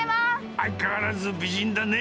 相変わらず美人だね。